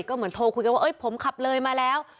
ก็เหมือนโทรคุยกันว่าผมขับเลยมาแล้ว